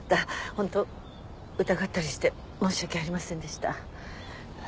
ホント疑ったりして申し訳ありませんでした。